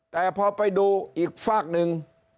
แต่พอไปดูอีกฝากหนึ่ง